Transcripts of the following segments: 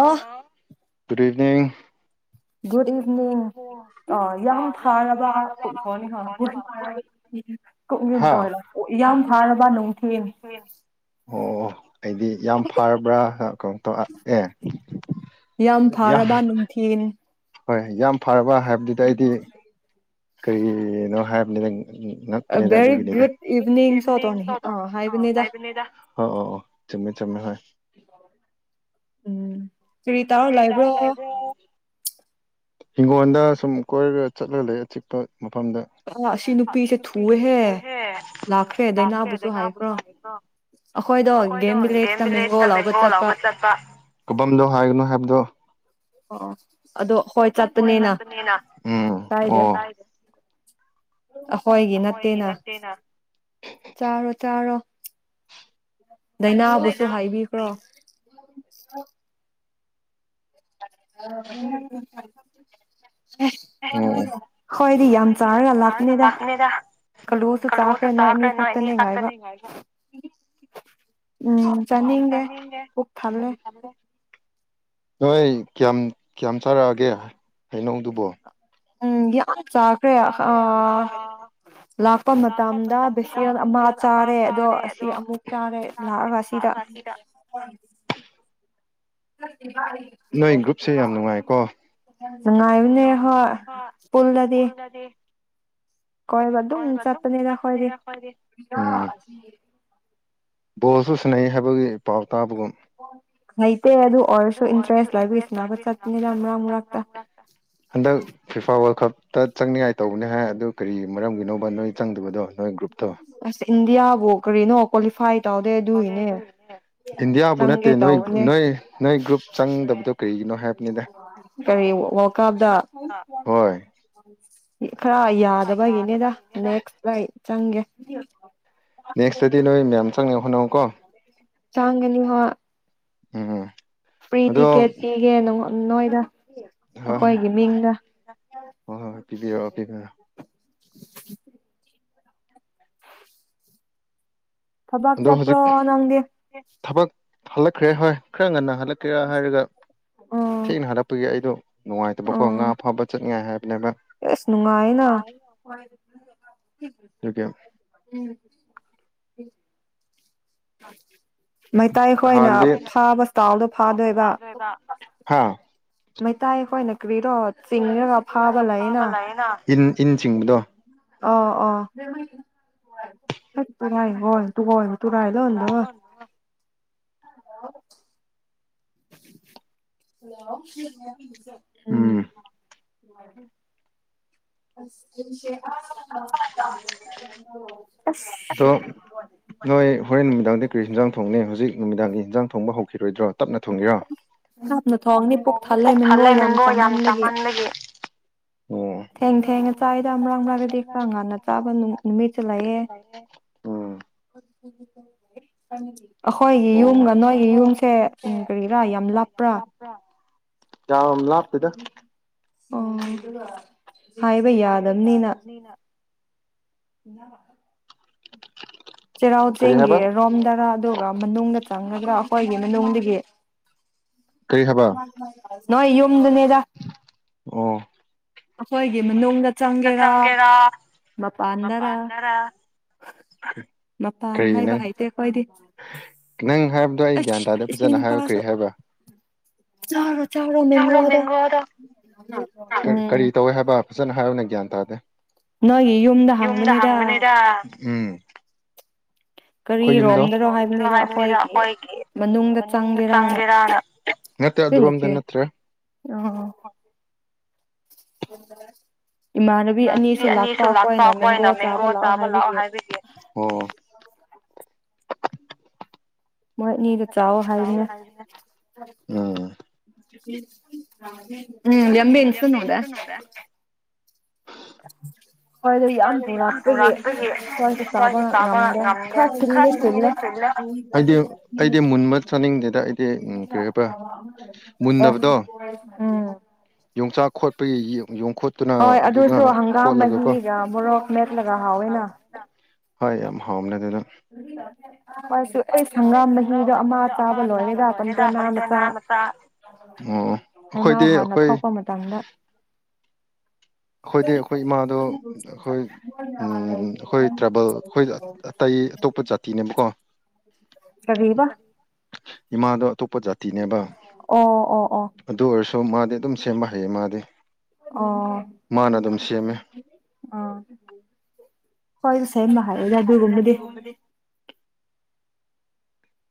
hello good evening good evening ꯑꯣ ꯌꯥꯝ ꯐꯥꯔꯕ [unintelligible] ꯀꯨꯛꯃꯤꯟ [unintelligible] ꯌꯥꯝ ꯐꯥꯔꯕ ꯅꯨꯡꯊꯤꯟ ꯑꯣ ꯑꯩꯗꯤ ꯌꯥꯝ ꯐꯔꯕ꯭ꯔꯥ ꯀꯩꯅꯣ ꯇꯧ ꯑꯦ ꯌꯥꯝ ꯊꯤꯒꯅꯤ ꯍꯣꯏ ꯌꯥꯝ ꯐꯔꯕ ꯍꯥꯏꯕꯗꯨꯗꯥ ꯑꯩꯗꯤ ꯀꯔꯤꯅꯣ ꯍꯥꯏꯕꯅꯤꯗ ꯉꯛꯄꯅꯤꯗ ꯑꯗꯨꯒꯤꯅꯤꯗ ꯏꯚꯤꯅꯤꯡ ꯁꯨ ꯑꯗꯨꯝ ꯑꯥ ꯍꯥꯏꯕꯅꯤꯗ ꯑꯣ ꯑꯣ ꯑꯣ ꯆꯨꯝꯃꯦ ꯆꯨꯝꯃꯦ ꯍꯣꯏ ꯎꯝ ꯀꯔꯤ ꯇꯧꯔꯥ ꯂꯩꯕ꯭ꯔꯣ ꯍꯤꯡꯒꯣꯜꯗ ꯁꯨꯝ ꯀꯣꯏꯔꯒ ꯆꯠꯂꯒ ꯂꯩ ꯑꯆꯤꯛꯄ ꯃꯐꯝꯗ ꯑꯣ ꯑꯁꯤ ꯅꯨꯄꯤꯁꯦ ꯊꯨꯋꯦꯍꯦ ꯂꯥꯛꯈ꯭ꯔꯦ ꯗꯥꯏꯅꯥꯕꯨꯁꯨ ꯍꯥꯏꯈ꯭ꯔꯣ ꯑꯩꯈꯣꯏꯗꯣ ꯒꯦꯝ ꯚꯤꯂꯦꯖꯇ ꯃꯦꯡꯒꯣ ꯂꯧꯕ ꯆꯠꯄ ꯀꯕꯝꯗꯣ ꯍꯥꯏꯒꯅꯣ ꯍꯥꯏꯕꯗꯣ ꯑꯣ ꯑꯗꯣ ꯍꯣꯏ ꯑꯩꯈꯣꯏ ꯆꯠꯄꯅꯤꯅ ꯎꯝ ꯑꯣ ꯑꯩꯈꯣꯏꯒꯤ ꯅꯠꯇꯦꯅ ꯆꯥꯔꯣ ꯆꯥꯔꯣ ꯗꯥꯏꯅꯥꯕꯨꯁꯨ ꯍꯥꯏꯕꯤꯈ꯭ꯔꯣ [unintelligible] ꯈꯣꯏꯗꯤ ꯌꯥꯝ ꯆꯥꯔꯒ ꯂꯥꯛꯄꯅꯦꯗ ꯀꯂꯨꯁꯨ ꯆꯥꯈ꯭ꯔꯦ ꯅꯣꯏ ꯑꯅꯤ ꯈꯛꯇꯅꯦ ꯉꯥꯏꯕ ꯎꯝ ꯆꯥꯅꯤꯡꯗꯦ ꯄꯨꯛ ꯊꯜꯂꯦ ꯅꯣꯏ ꯀꯌꯥꯝ ꯀꯌꯥꯝ ꯆꯥꯔꯛꯑꯒꯦ ꯍꯩꯅꯧꯗꯨꯕꯣ ꯎꯝ ꯌꯥꯝ ꯆꯥꯈ꯭ꯔꯦ ꯑ ꯂꯥꯛꯄ ꯃꯇꯝꯗ ꯕꯦꯁꯦꯟ ꯑꯃ ꯆꯥꯔꯦ ꯑꯗꯣ ꯑꯁꯤ ꯑꯃꯨꯛ ꯆꯥꯔꯦ ꯂꯥꯛꯑꯒ ꯑꯁꯤꯗ [unintelligible] [unintelligible] ꯅꯨꯡꯉꯥꯏꯕꯅꯦ ꯍꯣꯏ ꯄꯨꯜꯂꯗꯤ ꯀꯣꯏꯕ ꯑꯗꯨꯝ ꯆꯠꯄꯅꯤꯗ ꯑꯩꯈꯣꯏꯗꯤ ꯕꯣꯜꯁꯨ ꯁꯥꯟꯟꯅꯩ ꯍꯥꯏꯕꯒꯤ ꯄꯥꯎ ꯇꯥꯕꯒꯨꯝ ꯂꯩꯇꯦ ꯑꯗꯨ ꯑꯣꯏꯔꯁꯨ ꯏꯟꯇꯔꯦꯁ ꯂꯕꯩ ꯁꯥꯟꯅꯕ ꯆꯠꯇꯄꯅꯤꯗ ꯃꯔꯛ ꯃꯔꯛꯇ ꯍꯟꯗꯛ ꯐꯤꯐꯥ ꯋꯥꯔꯜ ꯀꯞꯇ ꯆꯪꯅꯤꯡꯉꯥꯏ ꯇꯧꯕꯅꯦ ꯍꯥꯏ ꯑꯗꯨ ꯀꯔꯤ ꯃꯔꯝꯒꯤꯅꯣꯕ ꯅꯣꯏ ꯆꯪꯗꯕꯗꯣ ꯅꯣꯏ ꯒ꯭ꯔꯨꯞꯇꯣ ꯑꯁ ꯏꯟꯗꯤꯌꯥꯕꯨ ꯀꯔꯤꯅꯣ ꯀ꯭ꯋꯥꯂꯤꯐꯥꯏꯠ ꯇꯧꯗꯦ ꯑꯗꯨꯏꯅꯦ ꯆꯪꯒꯦ ꯇꯧꯕꯅꯦ ꯀꯔꯤ ꯋꯥꯜꯀꯥꯞꯗ ꯈꯔ ꯌꯥꯗꯕꯒꯤꯅꯦꯗ ꯅꯦꯛꯁꯇ ꯆꯪꯒꯦ ꯅꯦꯛꯁꯇꯗꯤ ꯅꯣꯏ ꯃꯌꯥꯝ ꯆꯪꯅꯕ ꯍꯣꯠꯅꯧꯀꯣ ꯆꯥꯡꯒꯅꯤ ꯍꯣꯢ ꯎꯝ ꯐ꯭ꯔꯤ ꯇꯤꯀꯦꯠ ꯄꯤꯒꯦ ꯅꯣꯏꯗ ꯑꯩꯈꯣꯏꯒꯤ ꯃꯤꯡꯗ ꯍꯣꯏ ꯍꯣꯏ ꯄꯤꯕꯤꯔꯛꯑꯣ ꯄꯤꯕꯤꯔꯛꯑꯣ ꯊꯕꯛ ꯆꯠꯄ꯭ꯔꯣ ꯅꯪꯗꯤ ꯊꯕꯛ ꯍꯜꯂꯛꯈ꯭ꯔꯦ ꯍꯣꯏ ꯈꯔ ꯉꯟꯅ ꯍꯜꯂꯛꯀꯦꯔꯥ ꯍꯥꯏꯔꯒ ꯊꯦꯡꯅ ꯍꯜꯂꯛꯄ ꯒꯤ ꯑꯩꯗꯣ ꯅꯨꯡꯉꯥꯏꯇꯕꯀꯣ ꯉꯥ ꯐꯥꯕ ꯆꯠꯅꯤꯡꯉꯥꯏ ꯍꯥꯏꯕꯅꯦꯕ ꯑꯁ ꯅꯨꯡꯉꯥꯏꯅ [unintelligible] [unintelligible] ꯃꯩꯇꯩꯈꯣꯏꯅ ꯐꯥꯕ ꯁꯇꯥꯢꯜꯗꯣ ꯐꯥꯗꯣꯏꯕ ꯃꯩꯇꯩ ꯈꯣꯏꯅ ꯀ꯭ꯔꯤꯔꯣ ꯆꯤꯡꯔꯒ ꯐꯥꯕ ꯂꯩꯌꯦꯅ ꯏꯟ ꯏꯟ ꯆꯤꯡꯕꯗꯣ ꯑ ꯑ ꯑꯣ [unintelligible] ꯍꯂꯣ ꯍꯂꯣ ꯎꯝ ꯃꯔꯤ ꯑꯁ ꯑꯗꯣ ꯅꯣꯏ ꯍꯣꯔꯦꯟ ꯅꯨꯃꯤꯗꯥꯡꯗꯤ ꯀꯔꯤ ꯍꯤꯟꯖꯥꯡ ꯊꯣꯡꯅꯤ ꯍꯧꯖꯤꯛ ꯅꯨꯃꯤꯗꯥꯡꯒꯤ ꯏꯟꯖꯥꯡ ꯊꯣꯡꯕ ꯍꯧꯈꯤꯔꯣꯏꯗ꯭ꯔꯣ ꯇꯞꯅ ꯊꯣꯡꯒꯦꯔꯣ ꯄꯨꯛ ꯊꯜꯂꯦ ꯃꯤꯡꯒꯣ ꯌꯥꯝ ꯆꯥꯃꯟꯕꯒꯤ ꯊꯦꯡ ꯊꯦꯡꯅ ꯆꯥꯏꯗ ꯃꯔꯛ ꯃꯔꯛꯇꯗꯤ ꯈꯔ ꯉꯥꯟꯅ ꯆꯥꯕ ꯅꯨꯃꯤ ꯅꯨꯃꯤꯠꯁꯨ ꯂꯩꯌꯦ [unintelligible] ꯑꯈꯣꯏꯒꯤ ꯌꯨꯝꯒ ꯅꯣꯏꯒꯤ ꯌꯨꯝꯁꯦ ꯎꯝ ꯀꯔꯤꯔꯥ ꯌꯥꯝ ꯂꯥꯞꯄ꯭ꯔꯥ ꯌꯥꯥꯝ ꯂꯥꯞꯇꯦꯗ ꯑꯣ ꯍꯥꯏꯕ ꯌꯥꯗꯕꯅꯤꯅ [unintelligible] ꯆꯩꯔꯥꯎ ꯆꯤꯡꯒꯤ ꯔꯣꯝꯗꯔꯥ ꯑꯗꯨꯒ ꯃꯅꯨꯡꯗ ꯆꯪꯒꯗ꯭ꯔꯥ ꯑꯈꯣꯏꯒꯤ ꯃꯅꯨꯡꯗꯒꯤ ꯅꯣꯢ ꯌꯨꯝꯗꯨꯅꯤꯗ ꯑꯣ ꯌꯨꯝꯗ ꯆꯪꯒꯦꯔ ꯃꯄꯥꯟꯗꯔꯥ [unintelligible] ꯀꯔꯤ ꯅꯪ ꯅꯪ ꯍꯥꯏꯕꯗꯣ ꯑꯩ ꯒ꯭ꯌꯥꯟ ꯇꯥꯗꯦ ꯐꯖꯅ ꯍꯥꯏꯌꯨ ꯀꯔꯤ ꯍꯥꯏꯕ꯭ꯔꯥ ꯆꯔ ꯆꯥꯕꯣ ꯃꯦꯡꯒꯣꯗꯣ ꯀꯔꯤ ꯇꯧꯋꯦ ꯍꯥꯏꯕ ꯐꯖꯅ ꯍꯥꯏꯌꯨꯅꯦ ꯒ꯭ꯌꯥꯟ ꯇꯥꯗꯦ ꯌꯨꯝꯗ ꯍꯡꯕꯅꯤꯗ ꯎꯝ ꯀꯔꯤꯔꯣꯝꯗꯔꯣ ꯍꯥꯏꯕꯅꯤꯗ ꯑꯈꯣꯏꯒꯤ ꯃꯅꯨꯡꯗ ꯆꯪꯒꯦꯔꯅ ꯗꯨꯢ ꯅꯠꯇꯦ ꯑ ꯏꯃꯥꯟꯅꯕꯤ ꯑꯅꯤꯁꯨ ꯂꯥꯛꯄ ꯑꯈꯣꯏꯅ ꯃꯦꯡꯒꯣ ꯆꯥꯕ ꯂꯥꯛꯑꯣ ꯍꯥꯏꯕꯒꯤ ꯑꯣ ꯃꯣꯏ ꯑꯅꯤꯗꯣ ꯆꯥꯎ ꯍꯥꯏꯕꯅꯦ [unintelligible] ꯎꯝ [unintelligible] [unintelligible] ꯍꯣꯏ ꯑꯗꯨ ꯌꯥꯝ ꯄꯨꯔꯥꯛꯄꯒꯤ ꯍꯣꯏꯁꯨ ꯆꯥꯕ ꯉꯝꯗꯦ ꯈꯔ ꯁꯤꯟꯗꯤ ꯁꯤꯜꯂꯦ ꯑꯣ ꯎꯝ ꯌꯣꯡꯆꯥꯛ ꯈꯣꯠꯄꯒꯤ ꯌꯣꯡꯈꯣꯠ ꯍꯣꯏ ꯑꯗꯨꯁꯨ ꯍꯪꯒꯥꯝ ꯃꯍꯤꯒ ꯃꯣꯔꯣꯛ ꯃꯦꯠꯂꯒ ꯍꯥꯎꯏꯅ [unintelligible] ꯍꯣꯏ ꯌꯥꯝ ꯍꯥꯎꯕꯅꯦ ꯑꯗꯨꯗꯣ ꯑꯩ ꯍꯪꯒꯥꯝ ꯃꯍꯤꯗ ꯑꯃ ꯆꯥꯕꯥ ꯂꯣꯏꯔꯦꯗ ꯑꯝ ꯇꯅꯥ ꯑ ꯎꯝ ꯑꯈꯣꯏꯗꯤ ꯑꯈꯣꯏ ꯇꯥꯡꯅ ꯑꯈꯣꯏꯗꯤ ꯑꯈꯣꯏ ꯏꯃꯥꯗꯣ ꯑꯈꯣꯏ ꯎꯝ ꯑꯈꯣꯏ ꯇ꯭ꯔꯥꯕꯦꯜ ꯑꯈꯣꯏꯗꯣ ꯑꯇꯩ ꯑꯇꯣꯞꯄ ꯖꯥꯇꯤꯅꯦꯕꯀꯣ ꯏꯃꯥꯗꯣ ꯑꯇꯣꯞꯄ ꯖꯥꯇꯤꯅꯦꯕ ꯑꯗꯨ ꯑꯣꯏꯔꯁꯨ ꯃꯥꯗꯤ ꯑꯗꯨꯝ ꯁꯦꯝꯕ ꯍꯩꯌꯦ ꯃꯥꯗꯤ ꯑꯣ ꯑꯥ ꯑꯥꯈꯣꯏ ꯁꯦꯝꯕ ꯍꯩꯗ ꯑꯗꯨꯒꯨꯝꯕꯗꯤ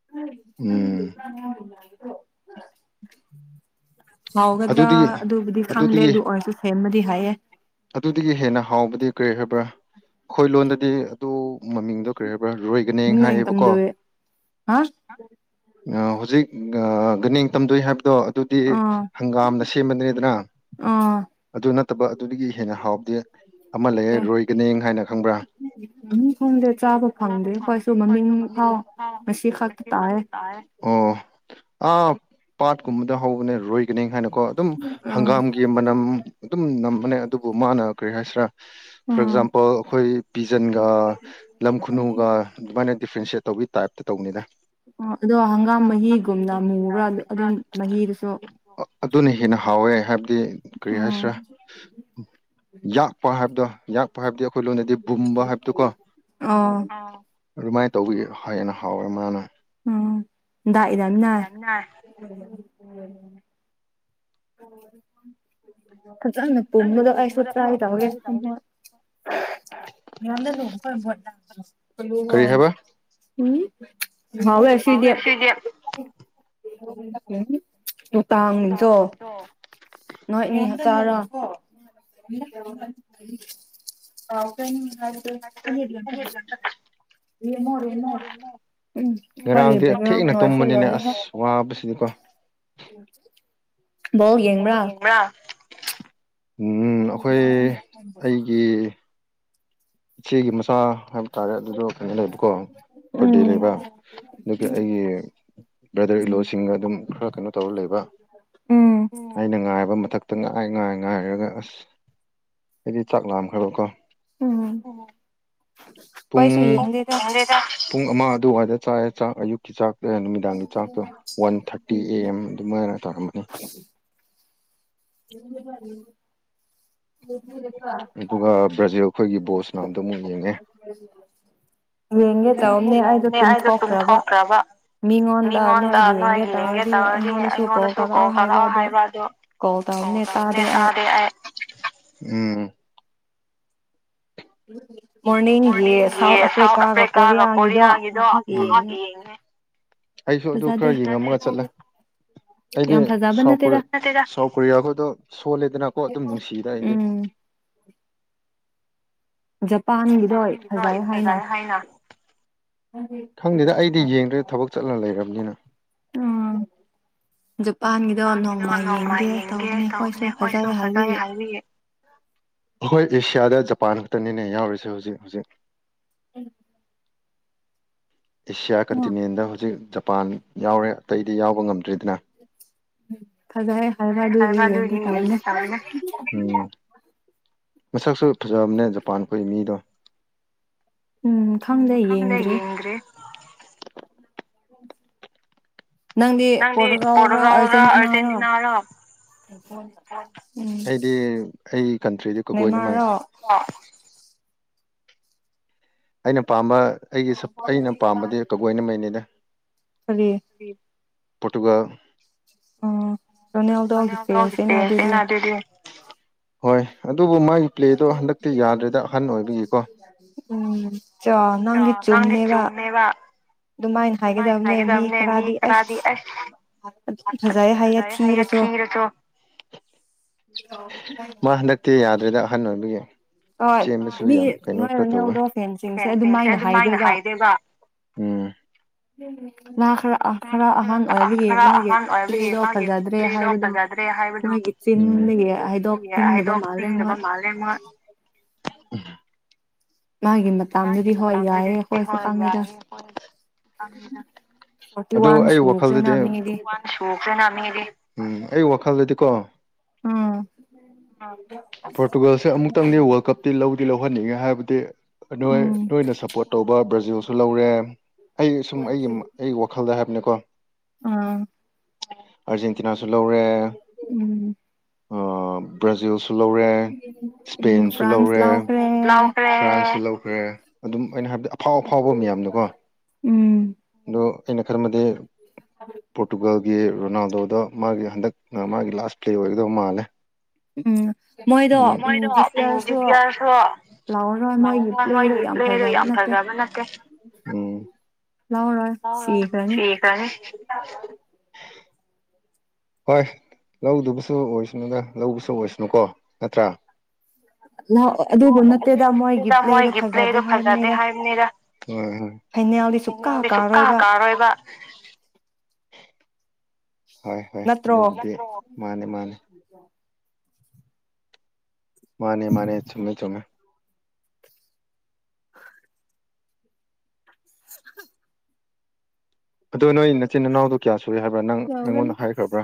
[unintelligible] ꯍꯥꯎꯒꯗ꯭ꯔꯥ ꯑꯗꯨꯕꯨꯗꯤ ꯈꯪꯗꯦ ꯑꯗꯨ ꯑꯣꯏꯔꯁꯨ ꯁꯦꯝꯕꯗꯤ ꯍꯥꯏꯌꯦꯦ ꯑꯗꯨꯗꯒꯤ ꯍꯦꯟꯅ ꯍꯥꯎꯕꯗꯤ ꯀꯔꯤ ꯍꯥꯏꯕ꯭ꯔꯥ ꯑꯩꯈꯣꯏ ꯂꯣꯟꯗꯗꯤ ꯑꯗꯨ ꯃꯃꯤꯡꯗ ꯀꯔꯤ ꯍꯥꯏꯕ꯭ꯔꯥ ꯂꯣꯏꯒꯅꯦ ꯍꯥꯏꯌꯦꯕꯀꯣ ꯍꯧꯖꯤꯛ ꯒꯅ ꯇꯝꯗꯣꯏ ꯍꯥꯏꯕꯗꯣ ꯑꯗꯨꯗꯤ ꯍꯪꯒꯥꯝꯅ ꯁꯦꯝꯕꯅꯤꯅꯤꯗꯅ ꯑꯗꯨ ꯅꯠꯇꯕ ꯑꯗꯨꯗꯒꯤ ꯍꯦꯟꯅ ꯍꯥꯎꯕꯗꯤ ꯑꯃ ꯂꯩꯔꯣꯏꯒꯅꯦ ꯍꯥꯏꯅ ꯈꯪꯕ꯭ꯔꯥ ꯎ ꯐꯪꯗꯦ ꯆꯥꯕ ꯐꯪꯗꯦ ꯑꯩꯈꯣꯏꯁꯨ ꯃꯃꯤꯡ ꯐꯥꯎ ꯉꯁꯤ ꯈꯛꯇ ꯇꯥꯏꯑꯦ ꯑꯣ ꯑꯥ ꯄꯥꯠꯀꯨꯝꯕꯗ ꯍꯧꯕꯅꯦ ꯔꯣꯏꯒꯅꯤ ꯍꯥꯏꯥꯅꯀꯣ ꯑꯗꯨꯝ ꯍꯪꯒꯥꯝꯒꯤ ꯃꯅꯝ ꯑꯗꯨꯝ ꯅꯝꯕꯅꯦ ꯑꯗꯨꯕꯨ ꯃꯥꯅ ꯀꯔꯤ ꯍꯥꯏꯁꯤꯔꯥ ꯐꯣꯔ ꯑꯦꯛꯖꯥꯝꯄꯜ ꯑꯩꯈꯣꯏ ꯄꯤꯖꯟꯒ ꯂꯝ ꯈꯨꯅꯨꯒ ꯑꯗꯨꯃꯥꯏꯅ ꯗꯤꯐ꯭ꯔꯦꯟꯁꯤꯌꯦꯠ ꯇꯧꯕꯒꯤ ꯇꯥꯏꯞꯇ ꯇꯧꯅꯤꯗ ꯑꯣ ꯑꯗꯣ ꯍꯪꯒꯥꯝ ꯃꯍꯤꯒꯨꯝꯅ ꯃꯨꯕ꯭ꯔꯥ ꯑꯗꯨꯝ ꯃꯍꯤꯗꯨꯁꯨ ꯑꯗꯨꯅ ꯍꯦꯟꯅ ꯍꯥꯎꯋꯦ ꯍꯥꯏꯕꯗꯤ ꯎꯝ ꯌꯥꯛꯄ ꯍꯥꯏꯕꯗꯣ ꯌꯥꯛꯄ ꯍꯥꯏꯕꯗꯤ ꯑꯩꯈꯣꯏ ꯂꯣꯟꯗꯗꯤ ꯕꯨꯝꯕ ꯍꯥꯏꯕꯗꯨꯀꯣ ꯑꯗꯨꯃꯥꯏꯅ ꯇꯧꯕꯒꯤ ꯍꯦꯟꯅ ꯍꯥꯎꯋꯦ ꯃꯥꯅ ꯎꯝ ꯗꯥꯛꯏꯗꯥꯝ ꯅꯥꯏ ꯐꯖꯥꯅꯥ ꯒꯨꯝꯕꯗꯣ ꯑꯩꯁꯨ ꯇ꯭ꯔꯥ ꯇꯧꯒꯦ ꯈꯟꯕꯥ ꯌꯥꯝꯗꯅꯅꯨꯡ ꯂꯨꯍꯣ [unintelligible] ꯎꯝ ꯍꯥꯎꯋꯦꯁꯤꯗꯤ ꯅꯨ ꯇꯥꯡꯅꯤꯖꯣ [unintelligible] [unintelligible] ꯅꯣꯏ ꯏ ꯃꯤ ꯍꯞꯇꯥꯔꯣ [unintelligible] ꯅꯤꯗꯤ ꯌꯥꯝ ꯌꯥꯝ [unintelligible] ꯈꯣꯏꯒꯤ ꯕꯦꯛꯒ꯭ꯔꯥꯟ ꯅꯣꯏꯁ ꯁꯦ ꯂꯣꯏꯔꯦꯍꯦ ꯋꯥꯕꯁꯤꯗꯤꯀꯣ ꯎꯝ ꯌꯦꯕ꯭ꯔꯥ ꯎꯝ ꯑꯩꯈꯣꯏ ꯑꯩꯒꯤ ꯏꯆꯦꯒꯤ ꯃꯆꯥ ꯍꯥꯏꯕ ꯇꯥꯔꯦ ꯑꯗꯨꯗꯣ ꯀꯩꯅꯣ ꯂꯩꯕꯀꯣ ꯚꯥꯔꯗꯦ ꯂꯩꯕ ꯑꯗꯨꯒꯤ ꯑꯩꯒꯤ ꯕ꯭ꯔꯗꯔ ꯏꯂꯣꯁꯤꯡꯒ ꯑꯗꯨꯝ ꯈꯔ ꯀꯩꯅꯣ ꯇꯧꯔ ꯂꯩꯕ ꯑꯩꯅ ꯉꯥꯏꯕ ꯃꯊꯛꯇ ꯉꯥꯏ ꯉꯥꯏ ꯉꯥꯏꯔꯒ ꯑꯁ ꯑꯩꯗꯤ ꯆꯥꯛ ꯂꯥꯝꯈ꯭ꯔꯕꯀꯣ ꯎꯝ [unintelligible] ꯄꯨꯡ ꯄꯨꯡ ꯑꯃ ꯑꯗꯨꯋꯥꯏꯗ ꯆꯥꯌꯦ ꯆꯥꯛ ꯑꯌꯨꯛ ꯆꯥꯛꯇ ꯅꯨꯃꯤꯗꯥꯡꯒꯤ ꯆꯥꯛꯇꯣ ꯋꯥꯟ ꯊꯥꯔꯇꯤ ꯑꯦ ꯑꯦꯝ ꯑꯗꯨꯃꯥꯏꯅ ꯇꯧꯔꯝꯃꯅꯤ [unintelligible] ꯑꯗꯨꯒ ꯕ꯭ꯔꯥꯖꯤꯜ ꯑꯩꯈꯣꯏꯒꯤ ꯕꯣꯜ ꯁꯥꯟꯅꯕꯗꯣ ꯑꯃꯨꯛ ꯌꯦꯡꯉꯦ ꯎꯝ ꯌꯦꯡꯒꯦ ꯇꯧꯕꯅꯦ ꯑꯩꯗ ꯇꯨꯝ ꯊꯣꯛꯈ꯭ꯔꯕ ꯃꯤꯉꯣꯟꯗ ꯅꯣꯏ ꯌꯦꯡꯒꯦ ꯇꯧꯔꯗꯤ ꯑꯩꯉꯣꯟꯗꯁꯨ ꯀꯣꯛ ꯇꯧꯔꯛꯑꯣ ꯍꯥꯏꯕ ꯑꯗꯨꯣ ꯀꯣꯜ ꯇꯧꯕꯅꯦ ꯇꯥꯗꯦ ꯑꯩ ꯃꯣꯔꯅꯤꯡꯒꯤ ꯁꯥꯎꯠ ꯑꯐ꯭ꯔꯤꯀꯥꯒ ꯀꯣꯔꯤꯌꯥꯒꯤꯗꯣ ꯉꯍꯥꯛ ꯌꯦꯡꯉꯦ ꯑꯩꯁꯨ ꯑꯗꯨ ꯈꯔ ꯌꯦꯡꯉꯝꯃꯒ ꯆꯠꯂꯦ ꯑꯩꯗꯤ ꯁꯥꯎ ꯀꯣ ꯁꯥꯎꯠ ꯀꯣꯔꯤꯌꯥ ꯈꯣꯏꯗꯣ ꯁꯣꯜꯂꯦꯗꯅꯀꯣ ꯑꯗꯨꯝ ꯅꯨꯡꯁꯤꯗ ꯑꯩꯗꯤ ꯄꯥꯟꯈꯤꯔꯣꯏ ꯑꯣꯖꯥꯏ [unintelligible] ꯍꯥꯏꯅ ꯈꯪꯗꯦꯗ ꯑꯩꯗꯤ ꯌꯦꯡꯗ꯭ꯔꯦ ꯊꯕꯛ ꯆꯠꯂ ꯂꯩꯔꯕꯅꯤꯅ [inaudible] ꯖꯄꯥꯟꯒꯤꯗꯣ ꯅꯣꯡꯃꯥ ꯌꯦꯡꯒꯦ ꯇꯧꯕꯅꯦ ꯑꯩꯈꯣꯏꯁꯨ ꯐꯖꯩ ꯍꯥꯏꯔꯤꯌꯦ ꯑꯩꯈꯣꯏ ꯑꯦꯁꯤꯌꯥꯗ ꯖꯄꯥꯟ ꯈꯛꯇꯅꯤꯅꯦ ꯌꯥꯎꯔꯤꯁꯦ ꯍꯧꯖꯤꯛ ꯍꯧꯖꯤꯛ ꯎ ꯑꯦꯁꯤꯌꯥ ꯀꯟꯇꯤꯅꯦꯟꯗ ꯍꯧꯖꯤꯛ ꯖꯄꯥꯟ ꯌꯥꯎꯔꯦ ꯑꯇꯩꯗꯤ ꯌꯥꯎꯕ ꯉꯝꯗ꯭ꯔꯤꯗꯅ ꯎ ꯐꯖꯥꯏꯌꯦ ꯐꯖꯩꯌꯦ ꯍꯥꯏꯕꯥ ꯑꯗꯨꯒꯤ ꯌꯦꯡꯒꯦ ꯇꯧꯕꯅꯦ ꯎꯝ ꯃꯁꯛꯁꯨ ꯐꯖꯕꯅꯦ ꯖꯄꯥꯟ ꯈꯣꯏ ꯃꯤꯗꯣ ꯎꯝ ꯈꯪꯗꯦ ꯌꯦꯡꯗ꯭ꯔꯤ ꯅꯪꯗꯤ ꯄꯣꯔꯇꯨꯒꯥꯜꯔ ꯑꯔꯖꯦꯟꯇꯤꯅꯥꯔ ꯗꯤ ꯑꯩ ꯀꯟꯇ꯭ꯔꯤꯗꯤ ꯀꯒꯣꯏꯅ ꯃꯥꯏ ꯑꯩꯅ ꯄꯥꯝꯕ ꯑꯩꯒꯤ ꯑꯩꯅ ꯄꯥꯝꯕꯗꯤ ꯀꯕꯨꯣꯏꯏꯅ ꯃꯩꯅꯤꯗ ꯄꯣꯔꯇꯨꯒꯜ [inaudible] ꯍꯣꯏ ꯑꯗꯨꯕꯨ ꯃꯥꯒꯤ ꯄ꯭ꯂꯦꯗꯣ ꯍꯟꯗꯛꯇꯤ ꯌꯥꯗ꯭ꯔꯦꯗ ꯑꯍꯟ ꯑꯣꯏꯕꯒꯤꯀꯣ ꯎꯝ ꯆꯥ ꯅꯪꯗꯤ ꯆꯨꯝꯃꯦꯕ ꯑꯗꯨꯃꯥꯏꯅ ꯍꯥꯏꯒꯗꯕꯅꯦ ꯃꯤ ꯈꯔꯗꯤ ꯑꯁ ꯐꯖꯩ ꯍꯥꯏꯌ‌ꯦ ꯊꯤꯔꯁꯨ ꯃꯥ ꯍꯟꯗꯛꯇꯤ ꯌꯥꯗ꯭ꯔꯦꯗ ꯑꯍꯟ ꯑꯣꯏꯕꯒꯤ ꯆꯦꯟꯕꯁꯨ ꯌꯥꯝ ꯀꯩꯅꯣ ꯈꯔ ꯇꯧꯋꯦꯁꯦ ꯍꯥꯏꯗꯦꯕ ꯃꯥ ꯈꯔ ꯈꯔ ꯑꯍꯟ ꯑꯣꯏꯕꯒꯤ ꯃꯥꯒꯤ ꯄ꯭ꯂꯦꯗꯣ ꯐꯖꯗ꯭ꯔꯦ ꯍꯥꯏꯕꯗꯣ ꯃ‌ꯣꯏꯒꯤ ꯆꯤꯟꯗꯒꯤ ꯍꯥꯏꯗꯣꯛ ꯅꯤꯡꯗꯕ ꯃꯥꯜꯂꯦ ꯃꯣꯏ [unintelligible] ꯃꯥꯒꯤ ꯃ ꯃꯥꯒꯤ ꯃꯇꯥꯡꯗꯗꯤ ꯍꯣꯏ ꯌꯥꯏꯌ‌ꯦ ꯍ‌ꯣꯏ ꯈꯪꯉꯤꯗ ꯑꯗꯨ ꯑꯩ ꯋꯥꯈꯜꯗꯗꯤ ꯎꯝ ꯑꯩ ꯋꯥꯈꯜꯗꯗꯤ ꯀꯣ ꯄꯣꯔꯇꯨꯒꯜꯁꯦ ꯑꯃꯨꯛꯇꯪꯗꯤ ꯋꯥꯔꯜꯗ ꯀꯞ ꯇꯤ ꯂꯧꯗꯤ ꯂꯧꯍꯟꯅꯤꯡꯉꯦ ꯍꯥꯏꯕꯗꯤ ꯅꯣꯏ ꯅꯣꯏꯅ ꯁꯞꯄꯣꯔꯠ ꯇꯧꯕ ꯕ꯭ꯔꯥꯖꯤꯜꯁꯨ ꯂꯧꯔꯦ ꯑꯩ ꯁꯨꯝ ꯑꯩꯒꯤ ꯑꯩꯒꯤ ꯋꯥꯈꯜꯗ ꯍꯥꯏꯕꯅꯦꯀꯣ ꯑꯥ ꯑꯥꯔꯖꯦꯟꯇꯤꯅꯥꯁꯨ ꯂꯧꯔꯦ ꯎꯝ ꯕ꯭ꯔꯥꯖꯤꯜꯁꯨ ꯂꯧꯔꯦ ꯏꯁꯄꯦꯟꯁꯨ ꯂꯧꯔꯦ ꯐꯔ꯭ꯥꯁ ꯑꯗꯨꯝ ꯑꯩꯅ ꯍꯥꯏꯕꯗꯤ ꯑꯐꯥꯎ ꯑꯐꯥꯎꯕ ꯃꯌꯥꯝꯗꯨꯀꯣ ꯑꯗꯣ ꯑꯩꯅ ꯈꯔꯃꯗꯤ ꯑ ꯄꯣꯔꯇꯨꯒꯥꯜꯒꯤ ꯔꯣꯅꯥꯜꯗꯣꯗ‌ꯣ ꯃꯥꯒꯤ ꯍꯟꯗꯛ ꯃꯥꯒꯤ ꯂꯥꯁ ꯄ꯭ꯂꯦ ꯑꯣꯏꯒꯗꯕ ꯃꯥꯜꯂꯦ ꯎꯝ ꯃꯣꯏꯗ‌ꯣ ꯎ ꯇꯌꯥꯔꯁꯨ ꯂ ꯍꯣꯏ ꯃꯣꯏꯒꯤ ꯄ꯭ꯂꯦꯗꯣ ꯌꯥꯝ ꯐꯖꯕ ꯅꯠꯇꯦ ꯀꯅꯤ ꯍꯣꯏ ꯂꯧꯗꯨꯕꯨꯁꯨ ꯑꯣꯏꯁꯅꯨꯗ ꯂꯧꯕꯁꯨ ꯑꯣꯏꯁꯅꯨꯀꯣ ꯅꯠꯇ꯭ꯔꯥ [unintelligible] ꯂꯥꯛꯑꯣ ꯑꯗꯨꯕꯨ ꯅꯠꯇꯦꯗ ꯃꯣꯏꯒꯤ ꯄ꯭ꯂꯦꯗꯣ ꯐꯖꯗꯦ ꯍꯥꯏꯕꯅꯦꯗ ꯐꯥꯏꯅꯦꯜꯗꯤ ꯁꯨ ꯀꯥ ꯀꯥꯔꯣꯏꯕ ꯍꯣꯏ ꯍꯣꯏ ꯑꯗꯨꯕꯨꯗꯤ ꯃꯥꯅ‌ꯦ ꯃꯥꯅ‌ꯦ ꯃꯥꯅꯦ ꯃꯥꯅꯦ ꯆꯨꯝꯃꯦ ꯆꯨꯝꯃꯦ [unintelligible] ꯑꯗꯣ ꯅꯣꯏ ꯅꯆꯤꯟ ꯏꯅꯥꯎꯗꯣ ꯀꯌꯥ ꯁꯨꯏ ꯍꯥꯏꯕ꯭ꯔꯥ ꯅꯪ ꯑꯩꯉꯣꯟꯗ ꯍꯥꯏꯈ꯭ꯔꯕ꯭ꯔꯥ